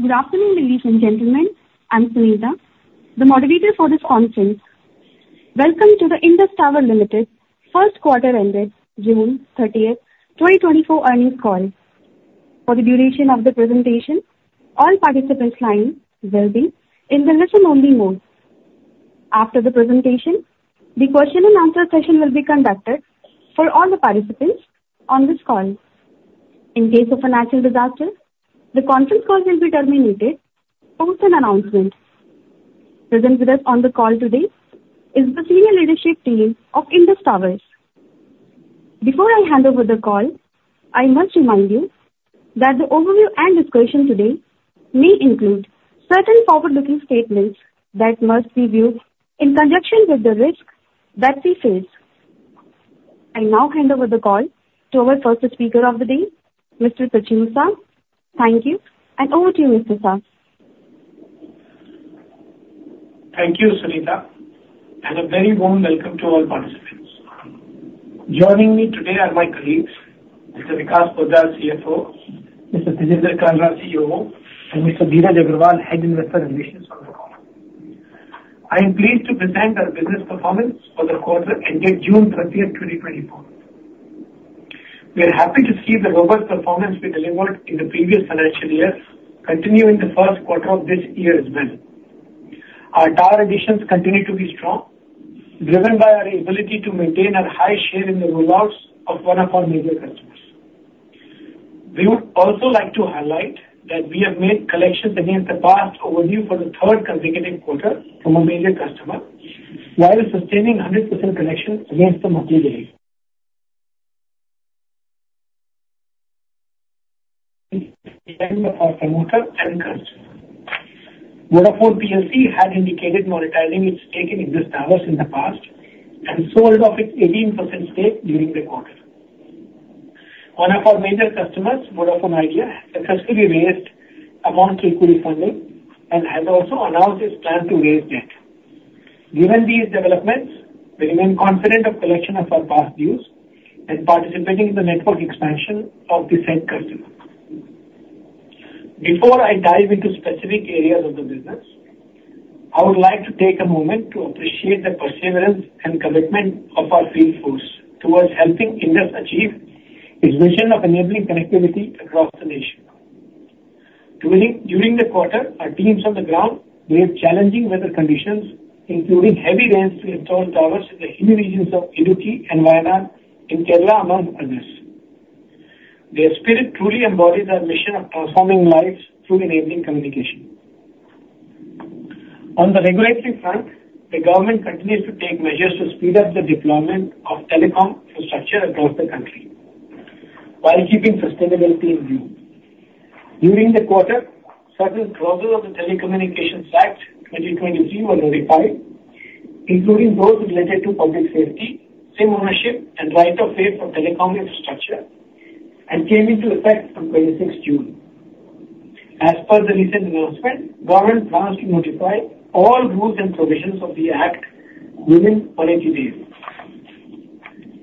Good afternoon, ladies and gentlemen. I'm Sunita, the moderator for this conference. Welcome to the Indus Towers Limited First Quarter Ended June 30th, 2024, Earnings Call. For the duration of the presentation, all participants' lines will be in the listen-only mode. After the presentation, the question-and-answer session will be conducted for all the participants on this call. In case of a natural disaster, the conference call will be terminated post an announcement. Present with us on the call today is the Senior Leadership Team of Indus Towers. Before I hand over the call, I must remind you that the overview and discussion today may include certain forward-looking statements that must be viewed in conjunction with the risks that we face. I now hand over the call to our first speaker of the day, Mr. Prachur Sah. Thank you, and over to you, Mr. Sah. Thank you, Sunita. A very warm welcome to all participants. Joining me today are my colleagues, Mr. Vikas Poddar, CFO; Mr. Tejinder Kalra, COO; and Mr. Dheeraj Agarwal, Head of Investor Relations on the call. I am pleased to present our business performance for the quarter ended June 30th, 2024. We are happy to see the robust performance we delivered in the previous financial year, continuing the first quarter of this year as well. Our tower additions continue to be strong, driven by our ability to maintain our high share in the rollouts of one of our major customers. We would also like to highlight that we have made collections against the past dues for the third consecutive quarter from a major customer, while sustaining 100% collections against the monthly dues. In terms of our promoter and customers, Vodafone PLC had indicated monetizing its stake in Indus Towers in the past and sold off its 18% stake during the quarter. One of our major customers, Vodafone Idea, successfully raised equity funding and has also announced its plan to raise debt. Given these developments, we remain confident of collection of our past dues and participating in the network expansion of the said customer. Before I dive into specific areas of the business, I would like to take a moment to appreciate the perseverance and commitment of our field force towards helping Indus achieve its vision of enabling connectivity across the nation. During the quarter, our teams on the ground braved challenging weather conditions, including heavy rains to install towers in the hilly regions of Idukki and Wayanad in Kerala among others. Their spirit truly embodies our mission of transforming lives through enabling communication. On the regulatory front, the government continues to take measures to speed up the deployment of telecom infrastructure across the country while keeping sustainability in view. During the quarter, certain clauses of the Telecommunications Act 2023 were notified, including those related to public safety, same ownership, and right of way for telecom infrastructure, and came into effect on 26 June. As per the recent announcement, government plans to notify all rules and provisions of the Act within 48 days.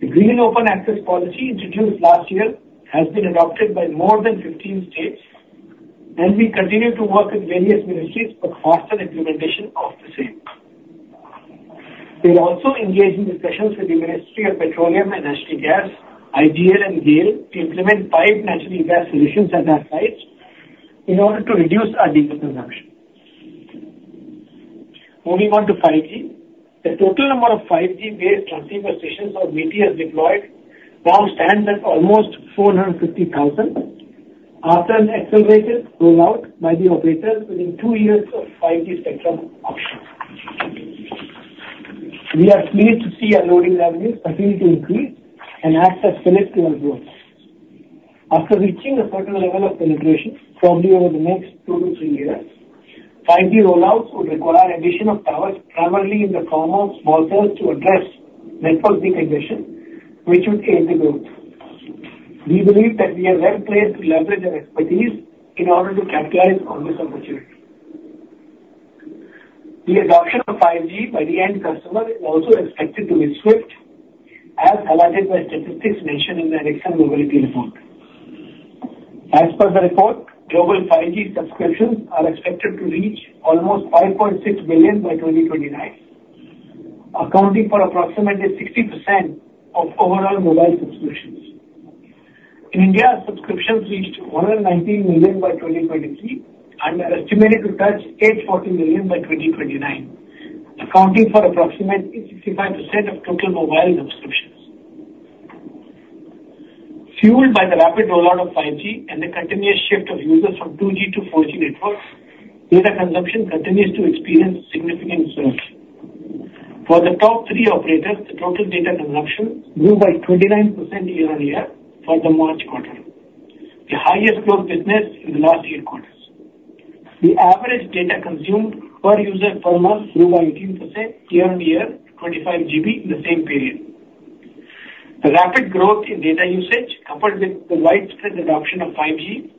The Green Open Access Policy introduced last year has been adopted by more than 15 states, and we continue to work with various ministries for faster implementation of the same. We are also engaged in discussions with the Ministry of Petroleum and Natural Gas, IGL, and GAIL to implement piped natural gas solutions at our sites in order to reduce our diesel consumption. Moving on to 5G, the total number of 5G-based BTS deployed now stands at almost 450,000 after an accelerated rollout by the operators within two years of 5G spectrum auctions. We are pleased to see our loading revenues continue to increase and act as pillars to our growth. After reaching a certain level of penetration, probably over the next two to three years, 5G rollouts would require addition of towers, primarily in the form of small cells, to address network decongestion, which would aid the growth. We believe that we are well-placed to leverage our expertise in order to capitalize on this opportunity. The adoption of 5G by the end customer is also expected to be swift, as highlighted by statistics mentioned in the Ericsson Mobility Report. As per the report, global 5G subscriptions are expected to reach almost 5.6 billion by 2029, accounting for approximately 60% of overall mobile subscriptions. In India, subscriptions reached 119 million by 2023 and are estimated to touch 840 million by 2029, accounting for approximately 65% of total mobile subscriptions. Fueled by the rapid rollout of 5G and the continuous shift of users from 2G to 4G networks, data consumption continues to experience significant growth. For the top three operators, the total data consumption grew by 29% year-on-year for the March quarter, the highest growth witnessed in the last eight quarters. The average data consumed per user per month grew by 18% year-on-year to 25 GB in the same period. The rapid growth in data usage, coupled with the widespread adoption of 5G,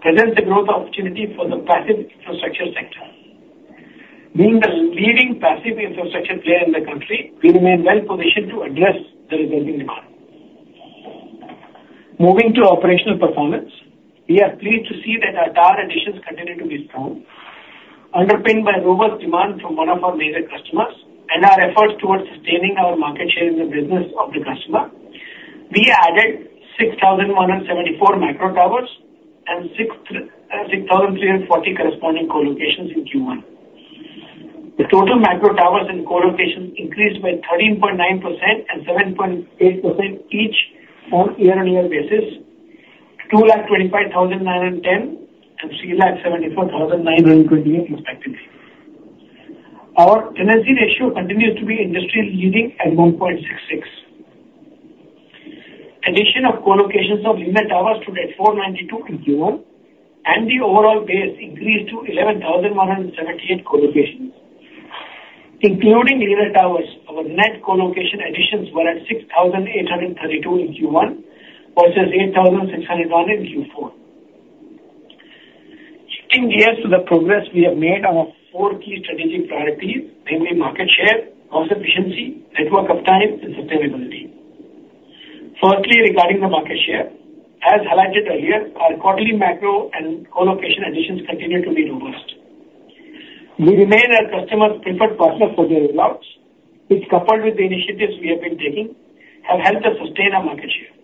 presents a growth opportunity for the passive infrastructure sector. Being the leading passive infrastructure player in the country, we remain well-positioned to address the resulting demand. Moving to operational performance, we are pleased to see that our tower additions continue to be strong, underpinned by robust demand from one of our major customers and our efforts towards sustaining our market share in the business of the customer. We added 6,174 macro towers and 6,340 corresponding co-locations in Q1. The total macro towers and co-locations increased by 13.9% and 7.8% each on a year-on-year basis to 225,910 and 374,928 respectively. Our tenancy ratio continues to be industry-leading at 1.66. Addition of co-locations of lean towers stood at 492 in Q1, and the overall base increased to 11,178 co-locations. Including lean towers, our net co-location additions were at 6,832 in Q1 versus 8,601 in Q4. Shifting gears to the progress we have made on our four key strategic priorities, namely market share, cost efficiency, network uptime, and sustainability. Firstly, regarding the market share, as highlighted earlier, our quarterly macro and co-location additions continue to be robust. We remain our customer's preferred partner for their rollouts, which, coupled with the initiatives we have been taking, have helped us sustain our market share.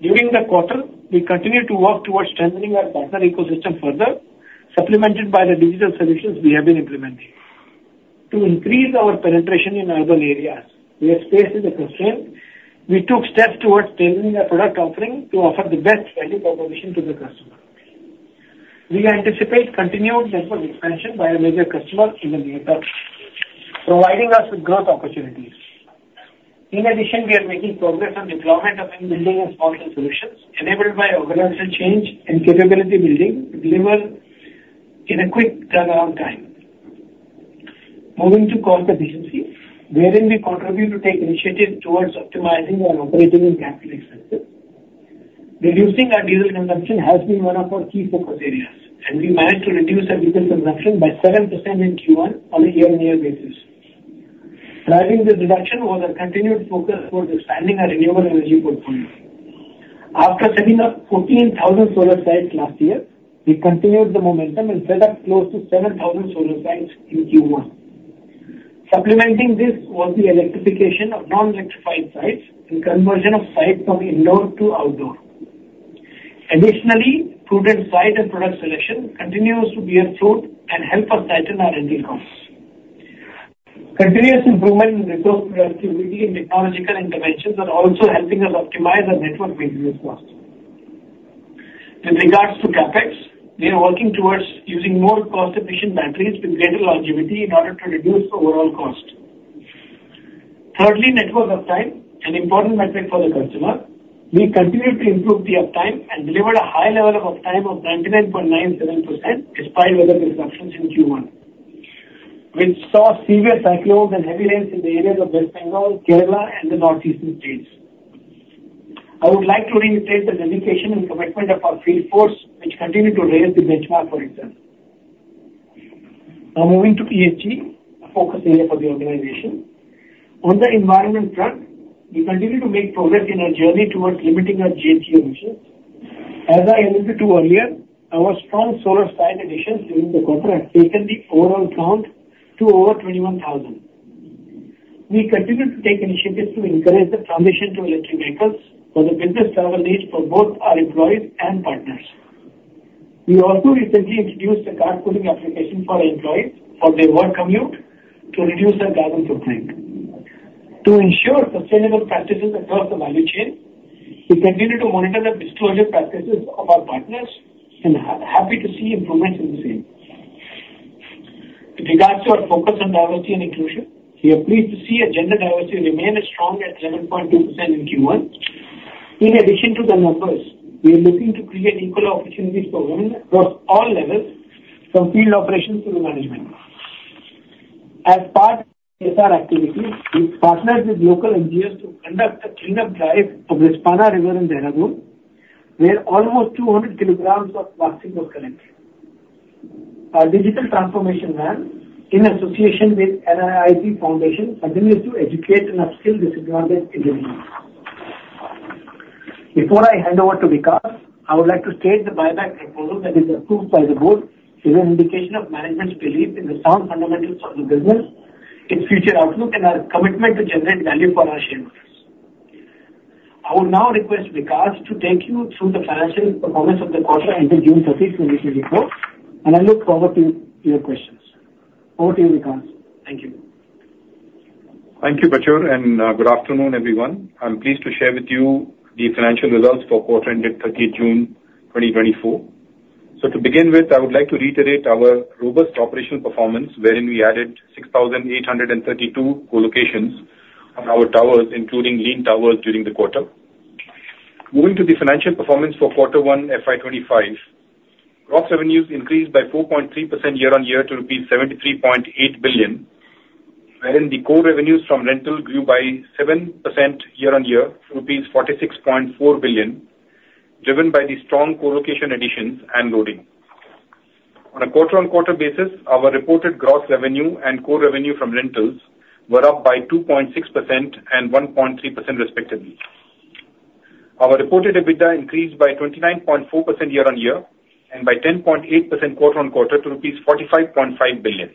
During the quarter, we continue to work towards strengthening our partner ecosystem further, supplemented by the digital solutions we have been implementing. To increase our penetration in urban areas, where space is a constraint, we took steps towards tailoring our product offering to offer the best value proposition to the customer. We anticipate continued network expansion by our major customers in the near term, providing us with growth opportunities. In addition, we are making progress on the deployment of in-building and small cell solutions, enabled by organizational change and capability building delivered in a quick turnaround time. Moving to cost efficiency, wherein we contribute to take initiatives towards optimizing our operating and capital expenses. Reducing our diesel consumption has been one of our key focus areas, and we managed to reduce our diesel consumption by 7% in Q1 on a year-on-year basis. Driving this reduction was our continued focus towards expanding our renewable energy portfolio. After setting up 14,000 solar sites last year, we continued the momentum and set up close to 7,000 solar sites in Q1. Supplementing this was the electrification of non-electrified sites and conversion of sites from indoor to outdoor. Additionally, prudent site and product selection continues to be our forte and help us tighten our rental costs. Continuous improvement in resource productivity and technological interventions are also helping us optimize our network maintenance costs. With regards to CapEx, we are working towards using more cost-efficient batteries with greater longevity in order to reduce overall cost. Thirdly, network uptime, an important metric for the customer, we continue to improve the uptime and deliver a high level of uptime of 99.97% despite weather disruptions in Q1, which saw severe cyclones and heavy rains in the areas of West Bengal, Kerala, and the northeastern states. I would like to reiterate the dedication and commitment of our field force, which continue to raise the benchmark for itself. Now moving to ESG, a focus area for the organization. On the environment front, we continue to make progress in our journey towards limiting our GHG emissions. As I alluded to earlier, our strong solar site additions during the quarter have taken the overall count to over 21,000. We continue to take initiatives to encourage the transition to electric vehicles for the business travel needs for both our employees and partners. We also recently introduced a carpooling application for our employees for their work commute to reduce our carbon footprint. To ensure sustainable practices across the value chain, we continue to monitor the disclosure practices of our partners and are happy to see improvements in the same. With regards to our focus on diversity and inclusion, we are pleased to see gender diversity remain as strong at 7.2% in Q1. In addition to the numbers, we are looking to create equal opportunities for women across all levels, from field operations to management. As part of our activities, we partnered with local NGOs to conduct a cleanup drive on the Rispana River in Dehradun, where almost 200 kilograms of plastic was collected. Our digital transformation grant, in association with NIIT Foundation, continues to educate and upskill disadvantaged individuals. Before I hand over to Vikas, I would like to state the buyback proposal that is approved by the board is an indication of management's belief in the sound fundamentals of the business, its future outlook, and our commitment to generate value for our shareholders. I would now request Vikas to take you through the financial performance of the quarter ended June 30, 2024, and I look forward to your questions. Over to you, Vikas. Thank you. Thank you, Prachur, and good afternoon, everyone. I'm pleased to share with you the financial results for quarter ended 30th June 2024. So to begin with, I would like to reiterate our robust operational performance, wherein we added 6,832 co-locations on our towers, including lean towers during the quarter. Moving to the financial performance for quarter one FY 2025, gross revenues increased by 4.3% year-on-year to rupees 73.8 billion, wherein the core revenues from rental grew by 7% year-on-year to rupees 46.4 billion, driven by the strong co-location additions and loading. On a quarter-on-quarter basis, our reported gross revenue and core revenue from rentals were up by 2.6% and 1.3% respectively. Our reported EBITDA increased by 29.4% year-on-year and by 10.8% quarter-on-quarter to rupees 45.5 billion.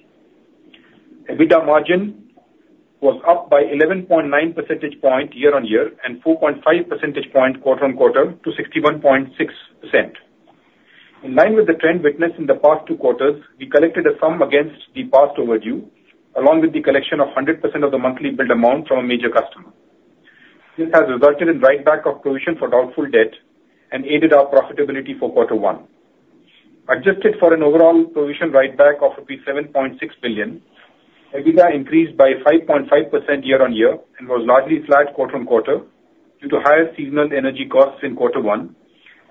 EBITDA margin was up by 11.9 percentage points year-on-year and 4.5 percentage points quarter-on-quarter to 61.6%. In line with the trend witnessed in the past two quarters, we collected a sum against the past overdue, along with the collection of 100% of the monthly billed amount from a major customer. This has resulted in write-back of provision for doubtful debt and aided our profitability for quarter one. Adjusted for an overall provision write-back of rupees 7.6 billion, EBITDA increased by 5.5% year-on-year and was largely flat quarter-on-quarter due to higher seasonal energy costs in quarter one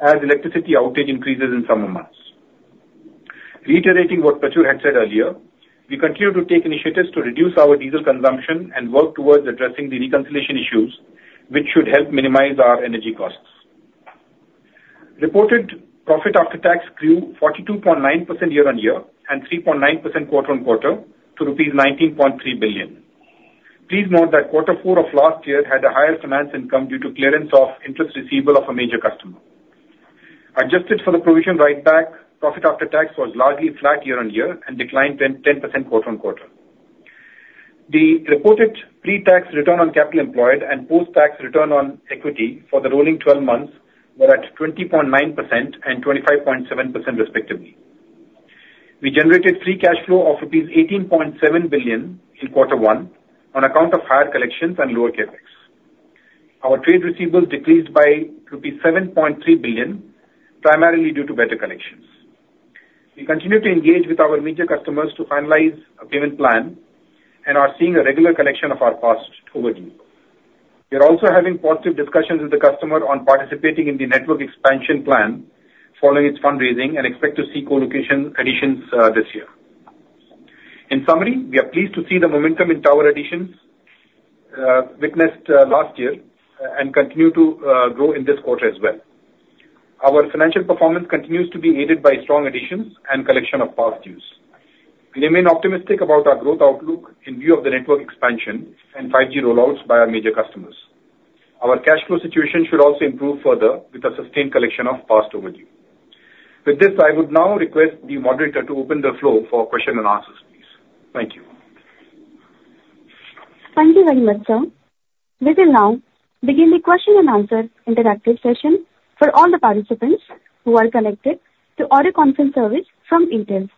as electricity outage increases in summer months. Reiterating what Prachur Sah had said earlier, we continue to take initiatives to reduce our diesel consumption and work towards addressing the reconciliation issues, which should help minimize our energy costs. Reported profit after tax grew 42.9% year-on-year and 3.9% quarter-on-quarter to rupees 19.3 billion. Please note that quarter four of last year had a higher finance income due to clearance of interest receivable of a major customer. Adjusted for the provision write-back, profit after tax was largely flat year-on-year and declined 10% quarter-on-quarter. The reported pre-tax return on capital employed and post-tax return on equity for the loading 12 months were at 20.9% and 25.7% respectively. We generated free cash flow of INR 18.7 billion in quarter one on account of higher collections and lower CapEx. Our trade receivables decreased by 7.3 billion rupees, primarily due to better collections. We continue to engage with our major customers to finalize a payment plan and are seeing a regular collection of our past due. We are also having positive discussions with the customer on participating in the network expansion plan following its fundraising and expect to see co-location additions this year. In summary, we are pleased to see the momentum in tower additions witnessed last year and continue to grow in this quarter as well. Our financial performance continues to be aided by strong additions and collection of past dues. We remain optimistic about our growth outlook in view of the network expansion and 5G rollouts by our major customers. Our cash flow situation should also improve further with the sustained collection of past overdue. With this, I would now request the moderator to open the floor for question and answers, please. Thank you. Thank you very much, sir. We will now begin the question and answer interactive session for all the participants who are connected to audio conference service from Airtel.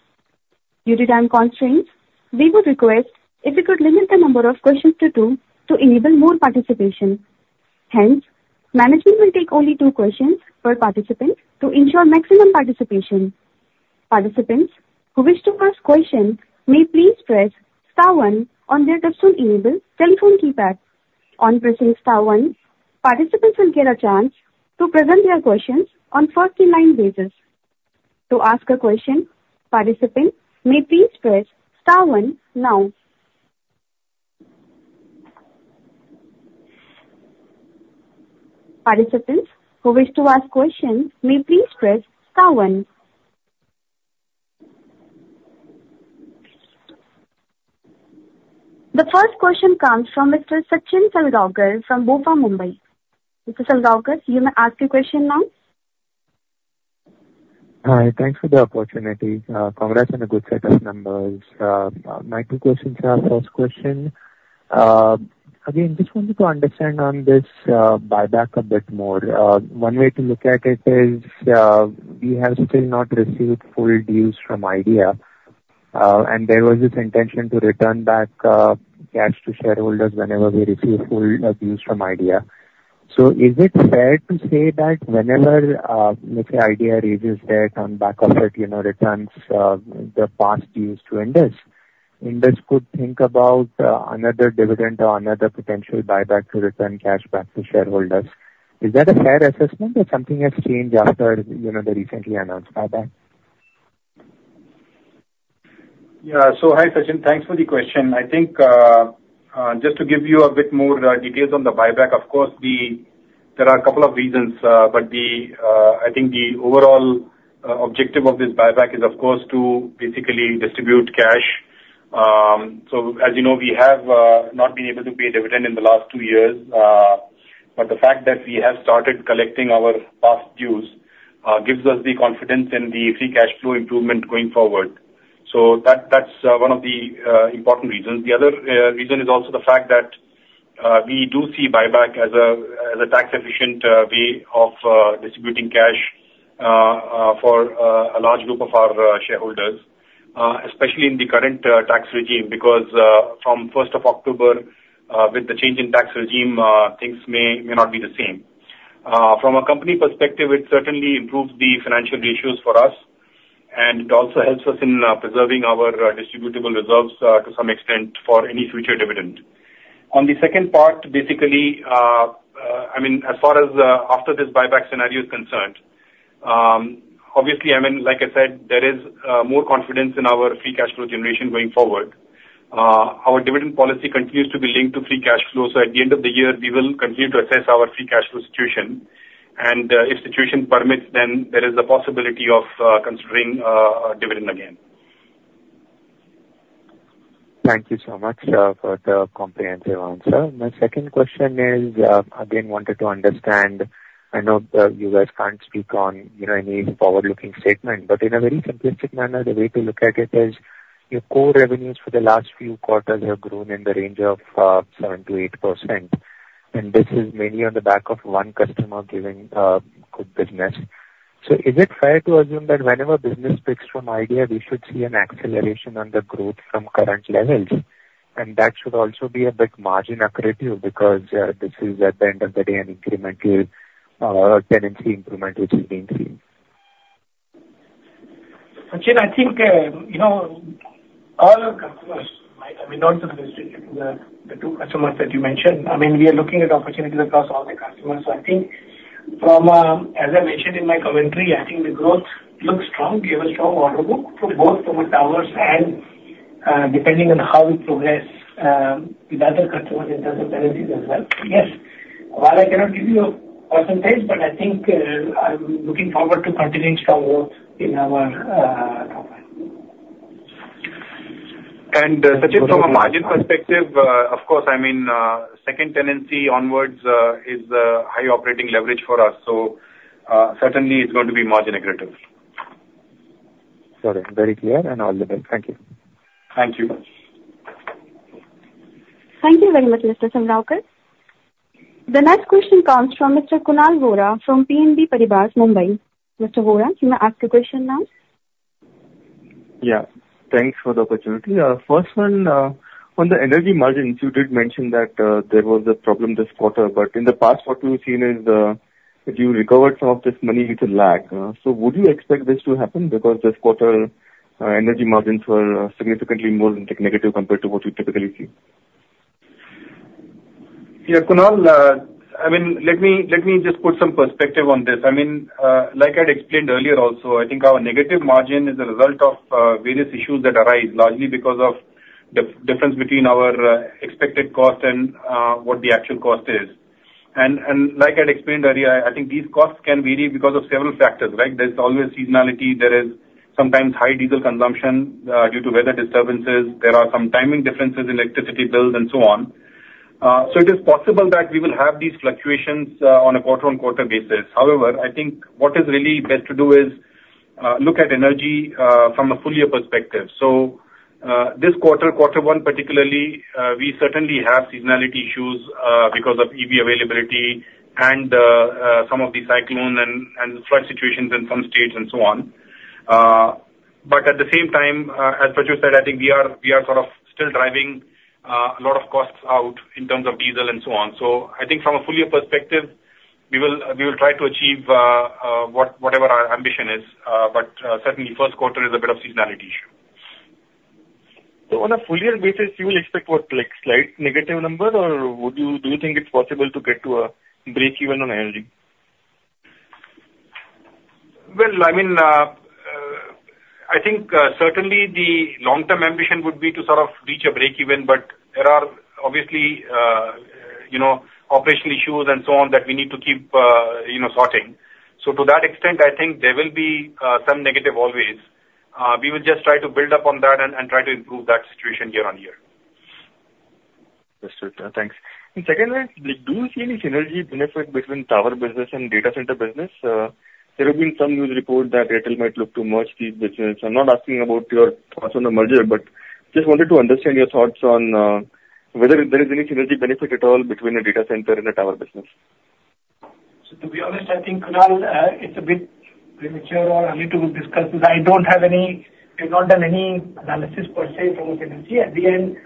Due to time constraints, we would request if we could limit the number of questions to two to enable more participation. Hence, management will take only two questions per participant to ensure maximum participation. Participants who wish to ask a question may please press star one on their Touch-Tone enabled telephone keypad. On pressing star one, participants will get a chance to present their questions on first-in-line basis. To ask a question, participant may please press star one now. Participants who wish to ask a question may please press star one. The first question comes from Mr. Sachin Salgaonkar from BofA, Mumbai. Mr. Salgaonkar, you may ask your question now. Hi. Thanks for the opportunity. Congrats on a good set of numbers. My two questions are. First question. Again, just wanted to understand on this buyback a bit more. One way to look at it is we have still not received full dues from Idea, and there was this intention to return back cash to shareholders whenever we receive full dues from Idea. So is it fair to say that whenever, let's say, Idea raises debt on back of it, returns the past dues to Indus, Indus could think about another dividend or another potential buyback to return cash back to shareholders? Is that a fair assessment or something has changed after the recently announced buyback? Yeah. So hi, Sachin. Thanks for the question. I think just to give you a bit more details on the buyback, of course, there are a couple of reasons, but I think the overall objective of this buyback is, of course, to basically distribute cash. So as you know, we have not been able to pay dividend in the last two years, but the fact that we have started collecting our past dues gives us the confidence in the free cash flow improvement going forward. So that's one of the important reasons. The other reason is also the fact that we do see buyback as a tax-efficient way of distributing cash for a large group of our shareholders, especially in the current tax regime, because from 1st of October, with the change in tax regime, things may not be the same. From a company perspective, it certainly improves the financial ratios for us, and it also helps us in preserving our distributable reserves to some extent for any future dividend. On the second part, basically, I mean, as far as after this buyback scenario is concerned, obviously, I mean, like I said, there is more confidence in our free cash flow generation going forward. Our dividend policy continues to be linked to free cash flow, so at the end of the year, we will continue to assess our free cash flow situation, and if situation permits, then there is a possibility of considering dividend again. Thank you so much for the comprehensive answer. My second question is, again, wanted to understand, I know you guys can't speak on any forward-looking statement, but in a very simplistic manner, the way to look at it is your core revenues for the last few quarters have grown in the range of 7%-8%, and this is mainly on the back of one customer giving good business. So is it fair to assume that whenever business picks from Idea, we should see an acceleration on the growth from current levels? And that should also be a bit margin-accretive too because this is, at the end of the day, an incremental tenancy improvement which is being seen. Sachin, I think all our customers, I mean, not just the two customers that you mentioned, I mean, we are looking at opportunities across all the customers. So I think, as I mentioned in my commentary, I think the growth looks strong, gave a strong order book for both towers and depending on how we progress with other customers in terms of tenancies as well. Yes, while I cannot give you a percentage, but I think I'm looking forward to continuing strong growth in our tower. Sachin, from a margin perspective, of course, I mean, second tenancy onwards is high operating leverage for us. Certainly, it's going to be margin accretive. Sorry. Very clear and all the above. Thank you. Thank you. Thank you very much, Mr. Salgaonkar. The next question comes from Mr. Kunal Vora from BNP Paribas, Mumbai. Mr. Vora, you may ask your question now. Yeah. Thanks for the opportunity. First one, on the energy margins, you did mention that there was a problem this quarter, but in the past, what we've seen is you recovered some of this money you could lag. So would you expect this to happen because this quarter energy margins were significantly more negative compared to what you typically see? Yeah, Kunal, I mean, let me just put some perspective on this. I mean, like I had explained earlier also, I think our negative margin is a result of various issues that arise largely because of the difference between our expected cost and what the actual cost is. And like I had explained earlier, I think these costs can vary because of several factors, right? There's always seasonality. There is sometimes high diesel consumption due to weather disturbances. There are some timing differences in electricity bills and so on. So it is possible that we will have these fluctuations on a quarter-on-quarter basis. However, I think what is really best to do is look at energy from a fuller perspective. So this quarter, quarter one particularly, we certainly have seasonality issues because of EV availability and some of the cyclone and flood situations in some states and so on. But at the same time, as Prachur said, I think we are sort of still driving a lot of costs out in terms of diesel and so on. So I think from a fuller perspective, we will try to achieve whatever our ambition is, but certainly, first quarter is a bit of seasonality issue. On a fuller basis, you will expect what, like slight negative number, or do you think it's possible to get to a break-even on energy? Well, I mean, I think certainly the long-term ambition would be to sort of reach a break-even, but there are obviously operational issues and so on that we need to keep sorting. So to that extent, I think there will be some negative always. We will just try to build up on that and try to improve that situation year on year. Understood. Thanks. And secondly, do you see any synergy benefit between tower business and data center business? There have been some news reports that Airtel might look to merge these businesses. I'm not asking about your thoughts on the merger, but just wanted to understand your thoughts on whether there is any synergy benefit at all between a data center and a tower business. So to be honest, I think, Kunal, it's a bit premature or a little discussed. I don't have any. I've not done any analysis per se from a synergy. At the end,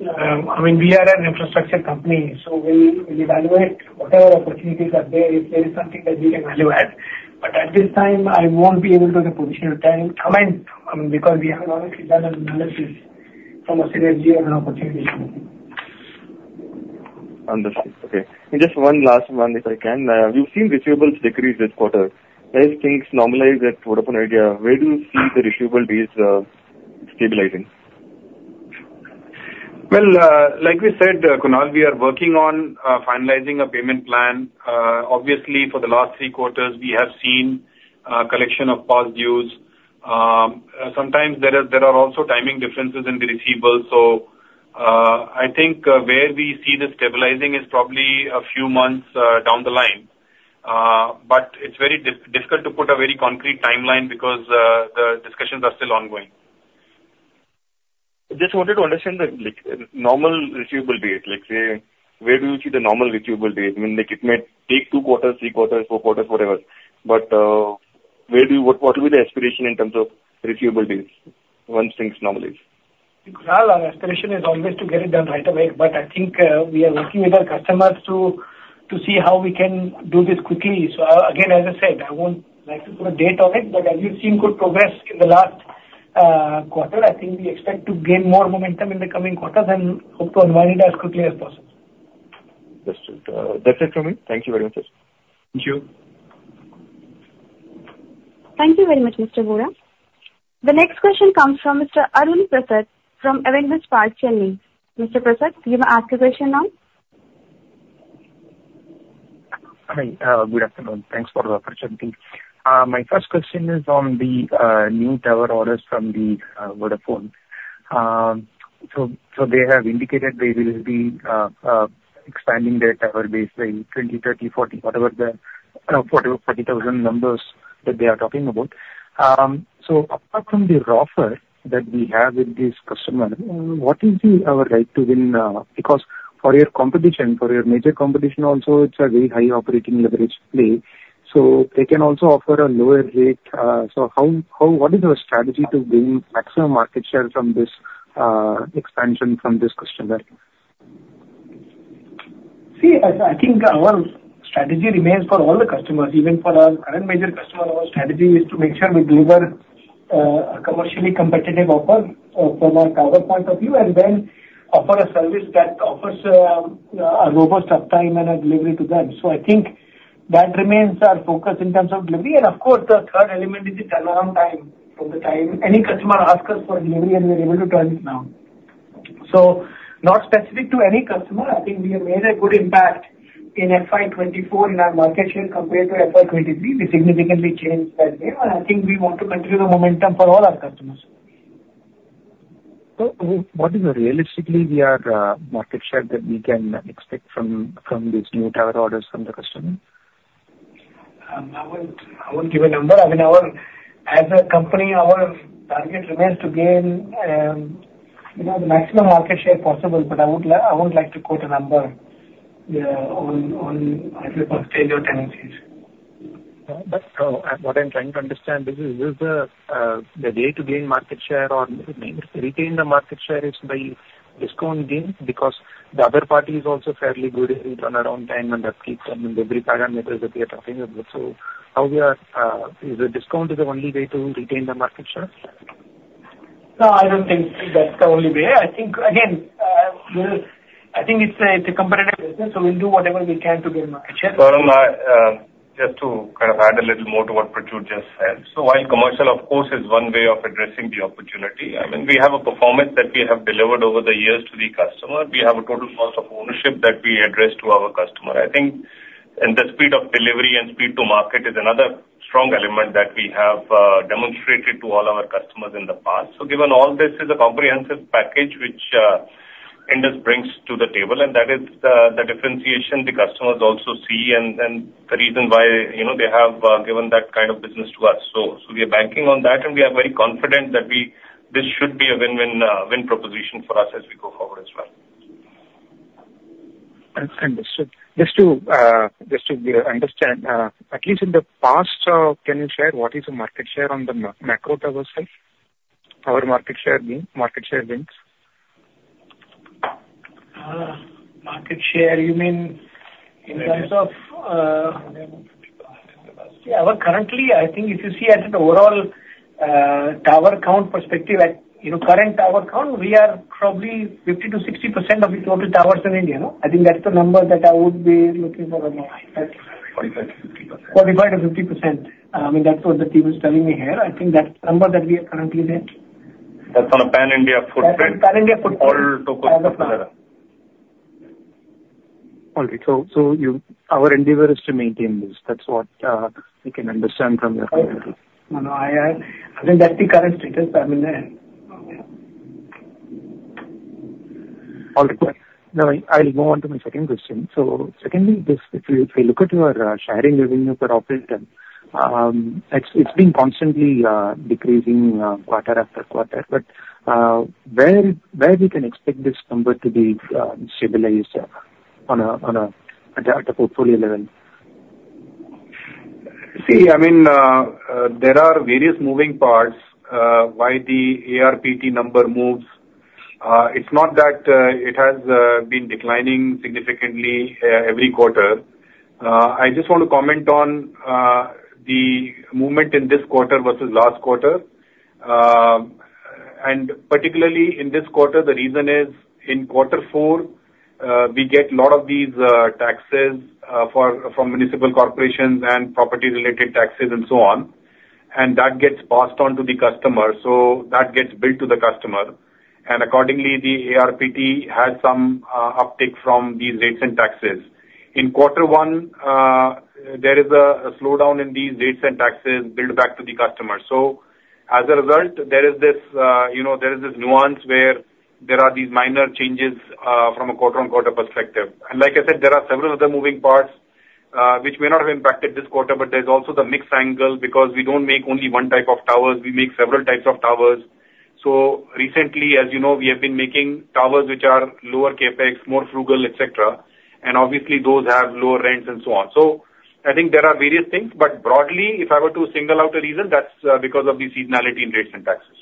I mean, we are an infrastructure company, so we'll evaluate whatever opportunities are there. If there is something that we can evaluate, but at this time, I won't be able to have a position to tell you comment because we haven't obviously done an analysis from a synergy or an opportunity. Understood. Okay. Just one last one, if I can. We've seen receivables decrease this quarter. As things normalize at Vodafone Idea, where do you see the receivables stabilizing? Well, like we said, Kunal, we are working on finalizing a payment plan. Obviously, for the last three quarters, we have seen a collection of past dues. Sometimes there are also timing differences in the receivables. So I think where we see this stabilizing is probably a few months down the line, but it's very difficult to put a very concrete timeline because the discussions are still ongoing. I just wanted to understand the normal receivable date? Let's say, where do you see the normal receivable date? I mean, it may take two quarters, three quarters, four quarters, whatever. But what will be the aspiration in terms of receivables once things normalize? Well, our aspiration is always to get it done right away, but I think we are working with our customers to see how we can do this quickly. So again, as I said, I won't like to put a date on it, but as you've seen good progress in the last quarter, I think we expect to gain more momentum in the coming quarters and hope to unwind it as quickly as possible. Understood. That's it from me. Thank you very much, sir. Thank you. Thank you very much, Mr. Vora. The next question comes from Mr. Arun Prasath from Avendus Spark. Mr. Prasath, you may ask your question now. Hi. Good afternoon. Thanks for the opportunity. My first question is on the new tower orders from Vodafone. They have indicated they will be expanding their tower base by 20, 30, 40, whatever the 40,000 numbers that they are talking about. Apart from the agreement that we have with this customer, what is our right to win? Because for your competition, for your major competition also, it's a very high operating leverage play. They can also offer a lower rate. What is our strategy to gain maximum market share from this expansion from this customer? See, I think our strategy remains for all the customers. Even for our current major customer, our strategy is to make sure we deliver a commercially competitive offer from our tower point of view and then offer a service that offers a robust uptime and a delivery to them. So I think that remains our focus in terms of delivery. And of course, the third element is the turnaround time. From the time any customer asks us for delivery, we are able to turn it now. So not specific to any customer, I think we have made a good impact in FY 2024 in our market share compared to FY 2023. We significantly changed that way, and I think we want to continue the momentum for all our customers. So, what is realistically the market share that we can expect from these new tower orders from the customer? I won't give a number. I mean, as a company, our target remains to gain the maximum market share possible, but I wouldn't like to quote a number on stable tendencies. So what I'm trying to understand is, is the way to gain market share or retain the market share by discounting? Because the other party is also fairly good on turnaround time and upkeep and delivery parameters that we are talking about. So how are we? Is discounting the only way to retain the market share? No, I don't think that's the only way. I think, again, I think it's a competitive business, so we'll do whatever we can to gain market share. Just to kind of add a little more to what Prachur just said, so while commercial, of course, is one way of addressing the opportunity, I mean, we have a performance that we have delivered over the years to the customer. We have a total cost of ownership that we address to our customer. I think the speed of delivery and speed to market is another strong element that we have demonstrated to all our customers in the past. So given all this, it's a comprehensive package which Indus brings to the table, and that is the differentiation the customers also see and the reason why they have given that kind of business to us. So we are banking on that, and we are very confident that this should be a win-win proposition for us as we go forward as well. Understood. Just to understand, at least in the past, can you share what is the market share on the macro tower side? Our market share gains? Market share, you mean in terms of, yeah, well, currently, I think if you see at an overall tower count perspective, at current tower count, we are probably 50%-60% of the total towers in India. I think that's the number that I would be looking for. 45%-50%. 45%-50%. I mean, that's what the team is telling me here. I think that's the number that we are currently there. That's on a pan-India footprint. That's pan-India footprint. All TowerCos together. All right. So our endeavor is to maintain this. That's what I can understand from your point of view. I think that's the current status. I mean. All right. Now, I'll move on to my second question. So secondly, if we look at your sharing revenue per operator, it's been constantly decreasing quarter after quarter. But where we can expect this number to be stabilized at a portfolio level? See, I mean, there are various moving parts why the ARPT number moves. It's not that it has been declining significantly every quarter. I just want to comment on the movement in this quarter versus last quarter. Particularly in this quarter, the reason is in quarter four, we get a lot of these taxes from municipal corporations and property-related taxes and so on, and that gets passed on to the customer. That gets billed to the customer. Accordingly, the ARPT has some uptick from these rates and taxes. In quarter one, there is a slowdown in these rates and taxes billed back to the customer. As a result, there is this nuance where there are these minor changes from a quarter-on-quarter perspective. And like I said, there are several other moving parts which may not have impacted this quarter, but there's also the mixed angle because we don't make only one type of towers. We make several types of towers. So recently, as you know, we have been making towers which are lower CapEx, more frugal, etc. And obviously, those have lower rents and so on. So I think there are various things, but broadly, if I were to single out a reason, that's because of the seasonality in rates and taxes.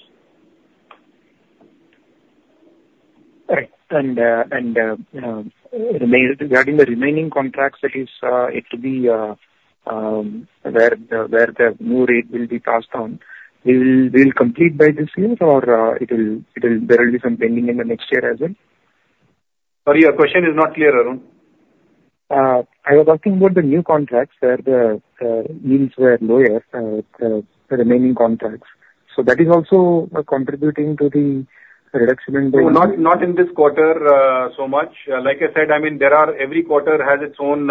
All right. Regarding the remaining contracts, at least it to be where the new rate will be passed on, will it be complete by this year, or there will be some pending in the next year as well? Sorry, your question is not clear, Arun. I was asking about the new contracts where the yields were lower, the remaining contracts. So that is also contributing to the reduction in the. Not in this quarter so much. Like I said, I mean, every quarter has its own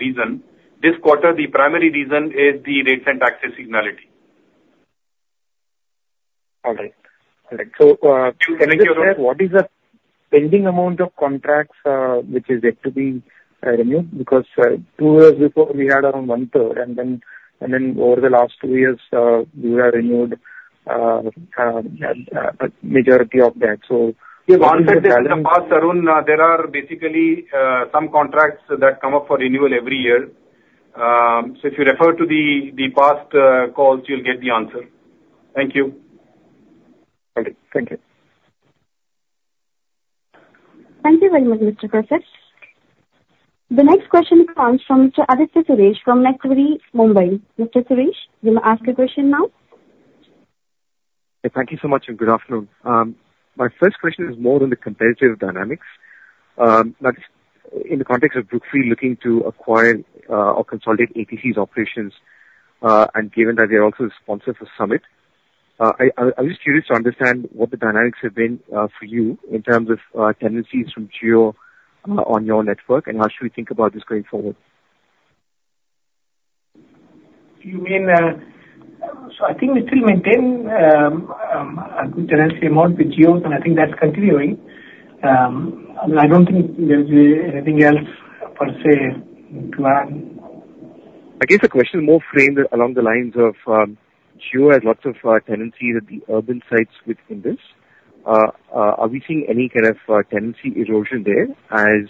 reason. This quarter, the primary reason is the rates and taxes seasonality. All right. So can I ask, what is the pending amount of contracts which is yet to be renewed? Because two years before, we had around one third, and then over the last two years, we have renewed a majority of that. So. Yeah, but in the past, Arun, there are basically some contracts that come up for renewal every year. So if you refer to the past calls, you'll get the answer. Thank you. All right. Thank you. Thank you very much, Mr. Prasath. The next question comes from Mr. Aditya Suresh from Macquarie, Mumbai. Mr. Suresh, you may ask your question now. Thank you so much, and good afternoon. My first question is more on the competitive dynamics. In the context of Brookfield looking to acquire or consolidate ATC's operations, and given that they're also sponsored for Summit, I'm just curious to understand what the dynamics have been for you in terms of tenancies from Jio on your network, and how should we think about this going forward? You mean, so I think we still maintain a good tenancy amongst the Jio's, and I think that's continuing. I mean, I don't think there's anything else per se to add. I guess the question is more framed along the lines of Jio has lots of tenancies at the urban sites with Indus. Are we seeing any kind of tenancy erosion there as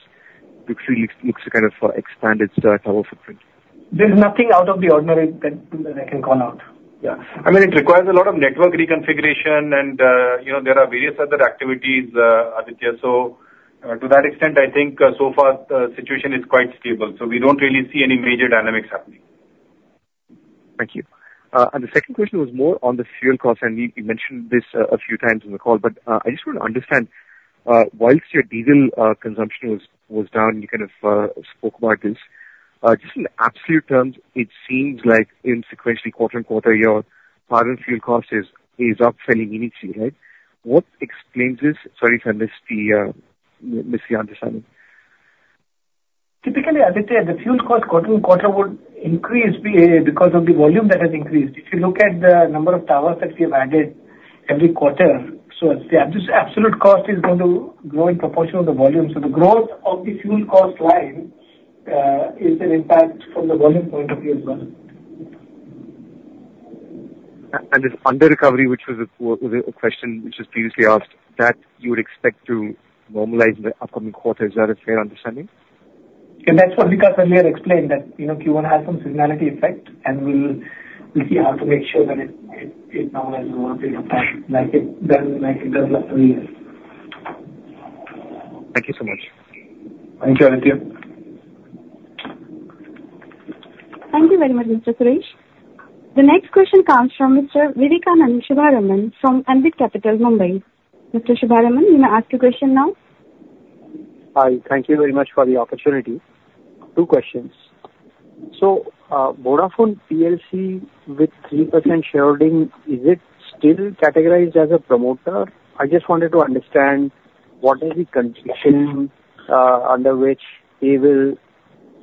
Brookfield looks to kind of expand its tower footprint? There's nothing out of the ordinary that can come out. Yeah. I mean, it requires a lot of network reconfiguration, and there are various other activities, Aditya. So to that extent, I think so far, the situation is quite stable. So we don't really see any major dynamics happening. Thank you. The second question was more on the fuel cost, and we mentioned this a few times in the call, but I just want to understand, whilst your diesel consumption was down, you kind of spoke about this. Just in absolute terms, it seems like sequentially, quarter-over-quarter, your current fuel cost is up fairly meaningfully, right? What explains this? Sorry if I missed the understanding. Typically, Aditya, the fuel cost quarter and quarter would increase because of the volume that has increased. If you look at the number of towers that we have added every quarter, so the absolute cost is going to grow in proportion of the volume. So the growth of the fuel cost line is an impact from the volume point of view as well. This under-recovery, which was a question which was previously asked, that you would expect to normalize in the upcoming quarter. Is that a fair understanding? Yeah, that's what we customarily explained, that you want to have some seasonality effect, and we'll see how to make sure that it normalizes over a period of time like it does last three years. Thank you so much. Thank you, Aditya. Thank you very much, Mr. Suresh. The next question comes from Mr. Vivekanand Subbaraman from Ambit Capital, Mumbai. Mr. Subbaraman, you may ask your question now. Hi. Thank you very much for the opportunity. Two questions. So Vodafone PLC with 3% shareholding, is it still categorized as a promoter? I just wanted to understand what is the condition under which they will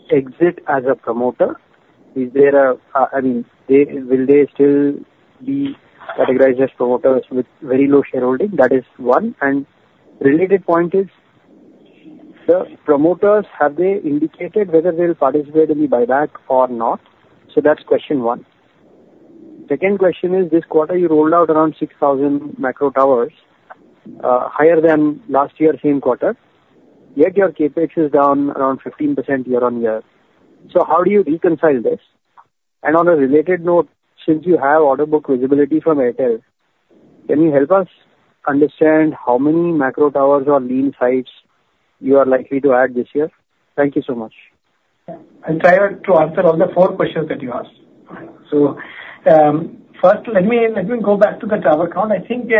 exit as a promoter? I mean, will they still be categorized as promoters with very low shareholding? That is one. And related point is, the promoters, have they indicated whether they'll participate in the buyback or not? So that's question one. Second question is, this quarter, you rolled out around 6,000 macro towers, higher than last year's same quarter, yet your CapEx is down around 15% year-over-year. So how do you reconcile this? And on a related note, since you have order book visibility from Airtel, can you help us understand how many macro towers or lean sites you are likely to add this year? Thank you so much. I'll try to answer all the four questions that you asked. So first, let me go back to the tower count. I think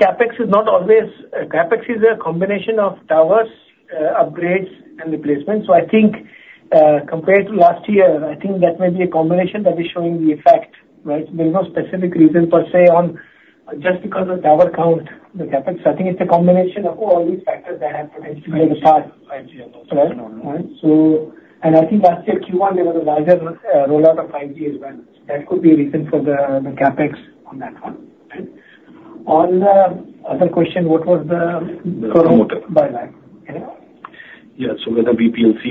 CapEx is not always a combination of towers, upgrades, and replacements. So I think compared to last year, I think that may be a combination that is showing the effect, right? There is no specific reason per se on just because of tower count, the CapEx. I think it's a combination of all these factors that have potentially played a part. I see. I understand. And I think last year, Q1, there was a larger rollout of 5G as well. So that could be a reason for the CapEx on that one. On the other question, what was the. The promoter. Buyback? Yeah. So whether VPLC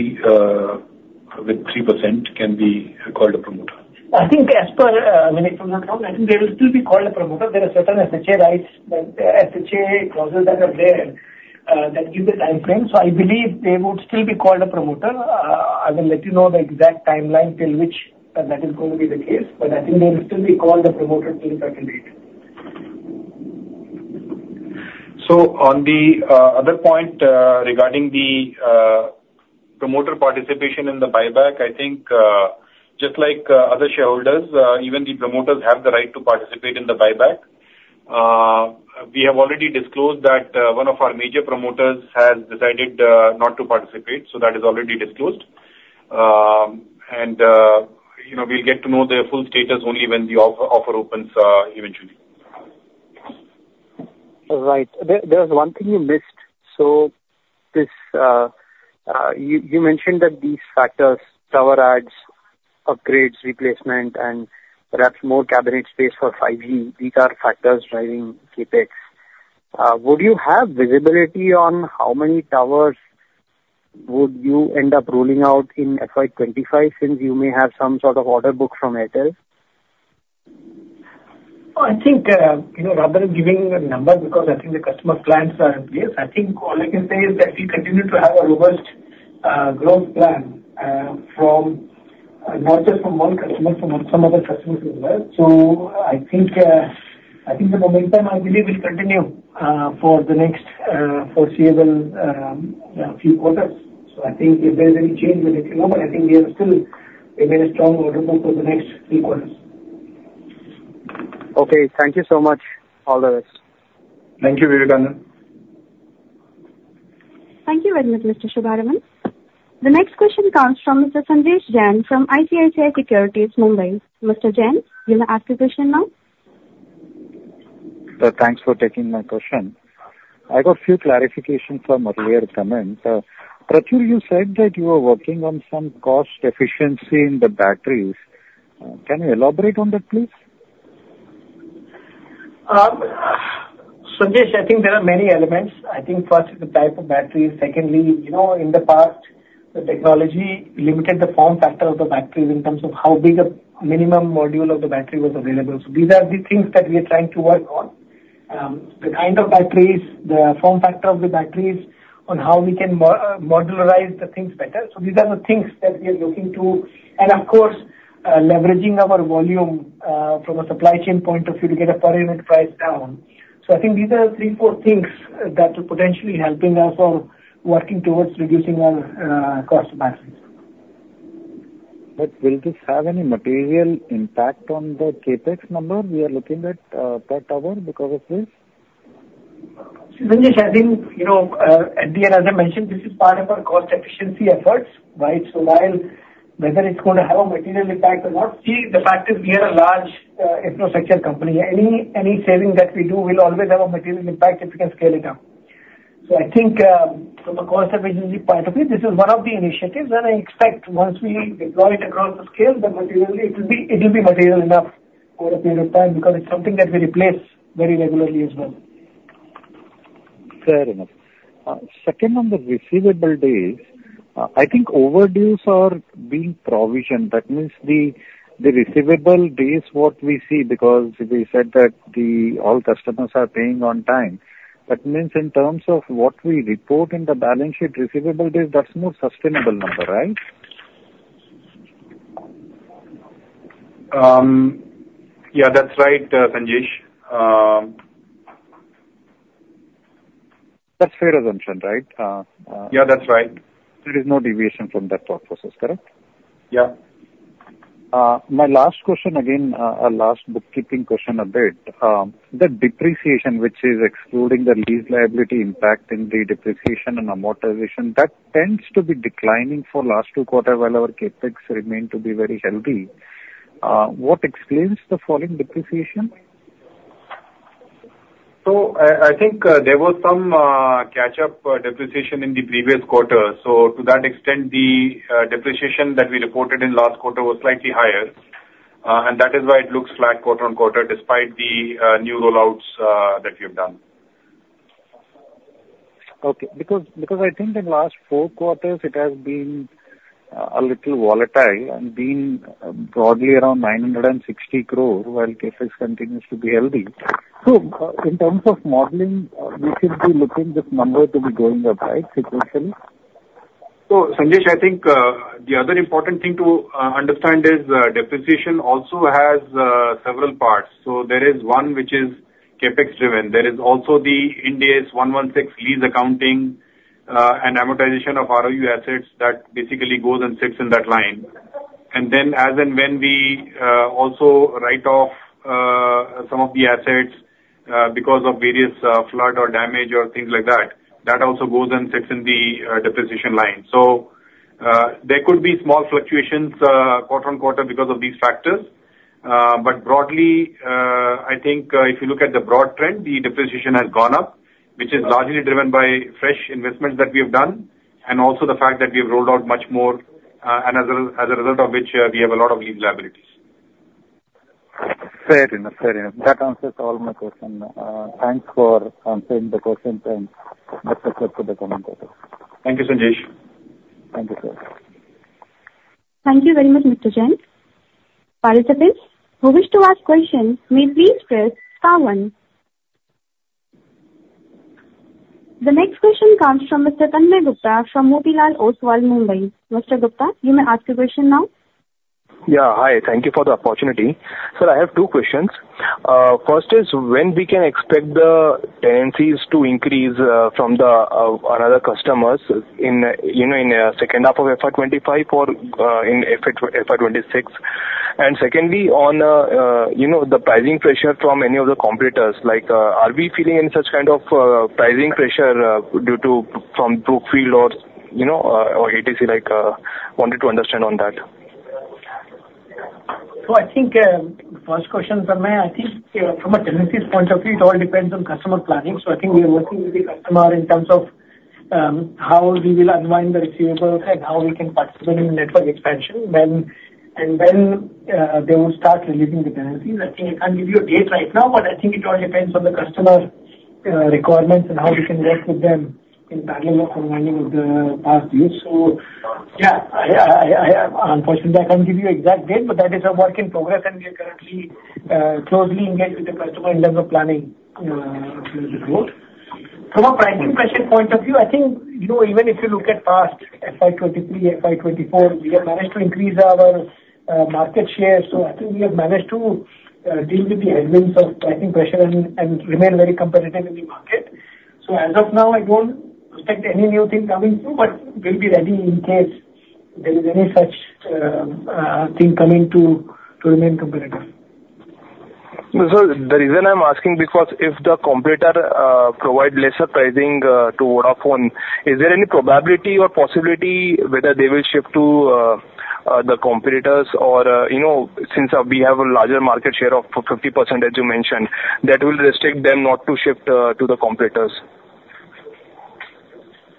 with 3% can be called a promoter? I think as per, I mean, if you look at it, I think they will still be called a promoter. There are certain SHA rights, SHA clauses that are there that give the timeframe. So I believe they would still be called a promoter. I will let you know the exact timeline till which that is going to be the case, but I think they will still be called a promoter till a certain date. So on the other point regarding the promoter participation in the buyback, I think just like other shareholders, even the promoters have the right to participate in the buyback. We have already disclosed that one of our major promoters has decided not to participate. So that is already disclosed. And we'll get to know the full status only when the offer opens eventually. All right. There was one thing you missed. So you mentioned that these factors, tower adds, upgrades, replacement, and perhaps more cabinet space for 5G, these are factors driving CapEx. Would you have visibility on how many towers would you end up rolling out in FY 2025 since you may have some sort of order book from Airtel? Well, I think rather than giving a number because I think the customer plans are in place, I think all I can say is that we continue to have a robust growth plan from not just from one customer, from some other customers as well. So I think the momentum, I believe, will continue for the next foreseeable few quarters. So I think if there's any change, we'll let you know, but I think we have still remained strong order book for the next three quarters. Okay. Thank you so much, all the rest. Thank you, Vivekanand. Thank you very much, Mr. Subbaraman. The next question comes from Mr. Sanjesh Jain from ICICI Securities, Mumbai. Mr. Jain, you may ask your question now. Thanks for taking my question. I got a few clarifications from earlier comments. Prachur, you said that you were working on some cost efficiency in the batteries. Can you elaborate on that, please? Sanjesh, I think there are many elements. I think first is the type of battery. Secondly, in the past, the technology limited the form factor of the batteries in terms of how big a minimum module of the battery was available. So these are the things that we are trying to work on. The kind of batteries, the form factor of the batteries, on how we can modularize the things better. So these are the things that we are looking to, and of course, leveraging our volume from a supply chain point of view to get a per-unit price down. So I think these are three, four things that are potentially helping us or working towards reducing our cost of batteries. Will this have any material impact on the CapEx number we are looking at per tower because of this? Sanjesh, I think at the end, as I mentioned, this is part of our cost efficiency efforts, right? So whether it's going to have a material impact or not, see, the fact is we are a large infrastructure company. Any saving that we do will always have a material impact if we can scale it up. So I think from a cost efficiency point of view, this is one of the initiatives, and I expect once we deploy it across the scale, then materially, it will be material enough for a period of time because it's something that we replace very regularly as well. Fair enough. Second on the receivable days, I think overdues are being provisioned. That means the receivable days, what we see, because we said that all customers are paying on time, that means in terms of what we report in the balance sheet, receivable days, that's more sustainable number, right? Yeah, that's right, Sanjesh. That's fair assumption, right? Yeah, that's right. There is no deviation from that thought process, correct? Yeah. My last question, again, a last bookkeeping question a bit. The depreciation, which is excluding the lease liability impact in the depreciation and amortization, that tends to be declining for last two quarters while our CapEx remain to be very healthy. What explains the falling depreciation? I think there was some catch-up depreciation in the previous quarter. So to that extent, the depreciation that we reported in last quarter was slightly higher, and that is why it looks flat quarter on quarter despite the new rollouts that we have done. Okay. Because I think in last four quarters, it has been a little volatile and been broadly around 960 crore while CapEx continues to be healthy. So in terms of modeling, we should be looking at this number to be going up, right, sequentially? So Sanjesh, I think the other important thing to understand is depreciation also has several parts. So there is one which is CapEx-driven. There is also the Ind AS 116 lease accounting and amortization of ROU assets that basically goes and sits in that line. And then as and when we also write off some of the assets because of various flood or damage or things like that, that also goes and sits in the depreciation line. So there could be small fluctuations quarter-on-quarter because of these factors. But broadly, I think if you look at the broad trend, the depreciation has gone up, which is largely driven by fresh investments that we have done and also the fact that we have rolled out much more, and as a result of which, we have a lot of lease liabilities. Fair enough, fair enough. That answers all my questions. Thanks for answering the questions and Mr. Sah for the comments. Thank you, Sanjesh. Thank you, sir. Thank you very much, Mr. Jain. Participants, who wish to ask questions, may please press star one. The next question comes from Mr. Tanmay Gupta from Motilal Oswal, Mumbai. Mr. Gupta, you may ask your question now. Yeah. Hi. Thank you for the opportunity. Sir, I have two questions. First is, when we can expect the tenancies to increase from another customer's in second half of FY 2025 or in FY 2026? And secondly, on the pricing pressure from any of the competitors, are we feeling any such kind of pricing pressure from Brookfield or ATC? I wanted to understand on that. So I think the first question, Tanmay, I think from a tenancies point of view, it all depends on customer planning. So I think we are working with the customer in terms of how we will unwind the receivables and how we can participate in network expansion and when they will start releasing the tenancies. I think I can't give you a date right now, but I think it all depends on the customer requirements and how we can work with them in parallel of unwinding of the past years. So yeah, unfortunately, I can't give you an exact date, but that is a work in progress, and we are currently closely engaged with the customer in terms of planning the growth. From a pricing pressure point of view, I think even if you look at past FY 2023, FY 2024, we have managed to increase our market share. So, I think we have managed to deal with the amidst of pricing pressure and remain very competitive in the market. So as of now, I don't expect any new thing coming through, but we'll be ready in case there is any such thing coming to remain competitive. So the reason I'm asking is because if the competitor provides lesser pricing to Vodafone, is there any probability or possibility whether they will shift to the competitors or since we have a larger market share of 50%, as you mentioned, that will restrict them not to shift to the competitors?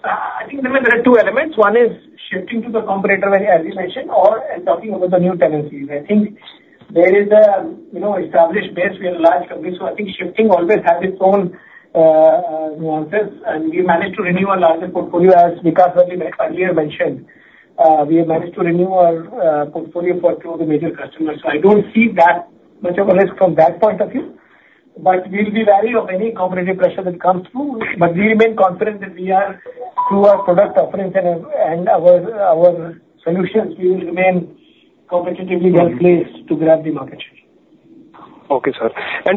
I think there are two elements. One is shifting to the competitor, as you mentioned, or talking about the new tenancies. I think there is an established base. We are a large company. So I think shifting always has its own nuances, and we managed to renew our larger portfolio, as Vikas earlier mentioned. We have managed to renew our portfolio for two of the major customers. So I don't see that much of a risk from that point of view, but we'll be wary of any competitive pressure that comes through. But we remain confident that through our product offerings and our solutions, we will remain competitively well-placed to grab the market share. Okay, sir.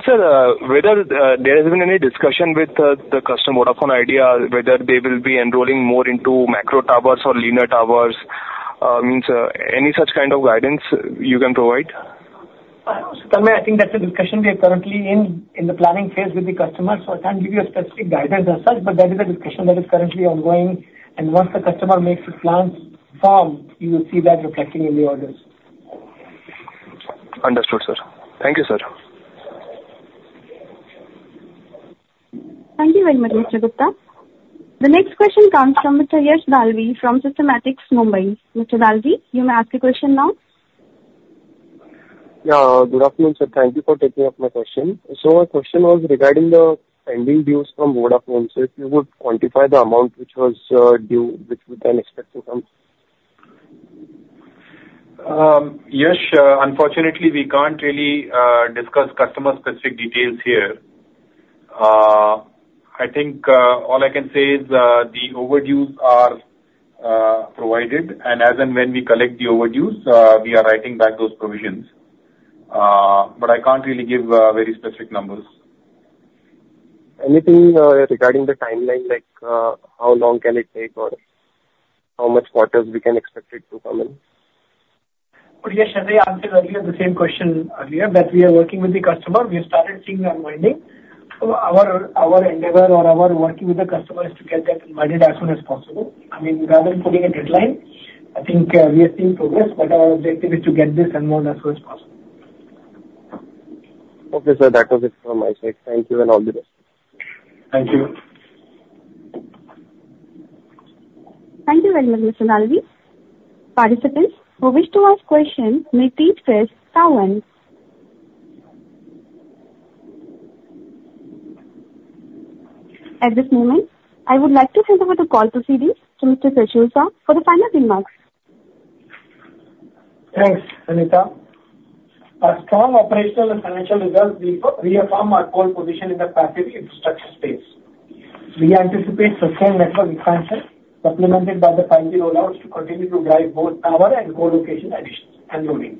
Sir, whether there has been any discussion with the customer Vodafone Idea whether they will be enrolling more into Macro Towers or Lean Towers? I mean any such kind of guidance you can provide? Tanmay, I think that's a discussion we are currently in, in the planning phase with the customers. So I can't give you a specific guidance as such, but that is a discussion that is currently ongoing. Once the customer makes its plans firm, you will see that reflecting in the orders. Understood, sir. Thank you, sir. Thank you very much, Mr. Gupta. The next question comes from Mr. Yash Dalvi from Systematix, Mumbai. Mr. Dalvi, you may ask your question now. Yeah. Good afternoon, sir. Thank you for taking up my question. So my question was regarding the pending dues from Vodafone. So if you would quantify the amount which was due, which we can expect to come? Yash, unfortunately, we can't really discuss customer-specific details here. I think all I can say is the overdues are provided, and as and when we collect the overdues, we are writing back those provisions. But I can't really give very specific numbers. Anything regarding the timeline, like how long can it take or how much quarters we can expect it to come in? Yash, as I answered earlier, the same question earlier, that we are working with the customer. We have started seeing the unwinding. So our endeavor or our working with the customer is to get that unwinded as soon as possible. I mean, rather than putting a deadline, I think we are seeing progress, but our objective is to get this unwinded as soon as possible. Okay, sir. That was it from my side. Thank you and all the best. Thank you. Thank you very much, Mr. Dalvi. Participants, who wish to ask questions, may please press star one. At this moment, I would like to hand over the call proceedings to Mr. Prachur Sah for the final remarks. Thanks, Sunita. As strong operational and financial results, we affirm our core position in the passive infrastructure space. We anticipate sustained network expansion supplemented by the 5G rollouts to continue to drive both tower and co-location additions and rolling.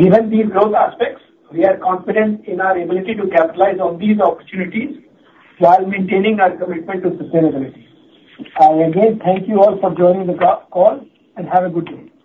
Given these growth aspects, we are confident in our ability to capitalize on these opportunities while maintaining our commitment to sustainability. I again thank you all for joining the call and have a good day.